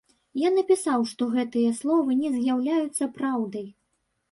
Я напісаў, што гэтыя словы не з'яўляюцца праўдай.